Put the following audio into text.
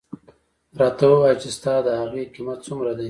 راته ووایه چې ستا د هغې قیمت څومره دی.